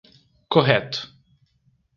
Correto.